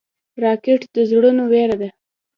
راکټ د زړونو وېره ده